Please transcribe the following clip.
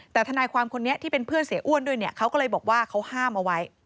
แต่ทนายความคนนี้ที่เป็นเพื่อนเสียอ้วนด้วยเนี่ยเขาก็เลยบอกว่าเขาห้ามเอาไว้